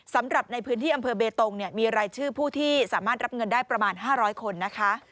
สำหรับในพื้นที่อำเภอเบตงมีรายชื่อผู้ที่สามารถรับเงินได้ประมาณ๕๐๐คนนะคะ